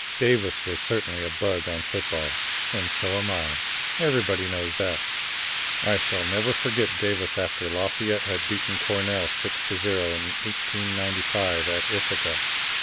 Davis was certainly a bug on football and so am I. Everybody knows that. "I shall never forget Davis after Lafayette had beaten Cornell 6 to 0, in 1895, at Ithaca.